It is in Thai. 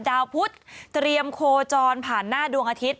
ดาวพุทธเตรียมโคจรผ่านหน้าดวงอาทิตย